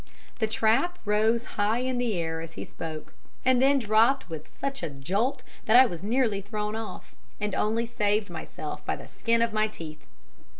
The trap rose high in the air as he spoke, and then dropped with such a jolt that I was nearly thrown off, and only saved myself by the skin of my teeth.